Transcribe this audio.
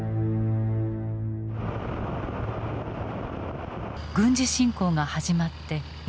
軍事侵攻が始まって１年。